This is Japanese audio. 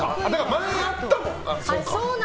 前やったもんな。